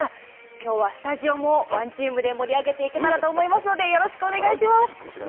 きょうはスタジオもワンチームで盛り上げていけたらと思いますので、よろしくお願いします。